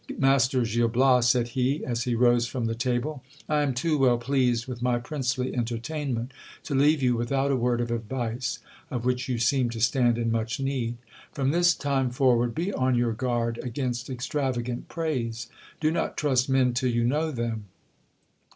Master Gil Bias, said he, as he rose from the table, I am too well pleased with my princely entertainment to leave you without a word of advice, of which you seem to stand in much need. From this time forward be on your guard against extravagant praise. Do not trust men till you know them.